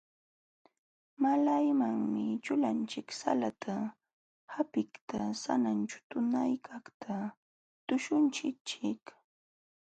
Malaymanmi ćhulanchik salata hapiqta sananćhu tunaykaqta tuśhuchinchik.